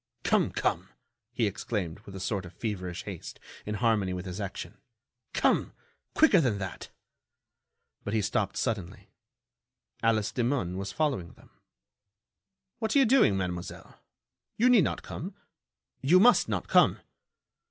"Come! Come!" he exclaimed, with a sort of feverish haste, in harmony with his action. "Come! quicker than that." But he stopped suddenly. Alice Demun was following them. "What are you doing, Mademoiselle? You need not come. You must not come!"